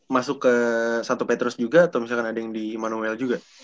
masuk ke satu petrus juga atau misalkan ada yang di emmanuel juga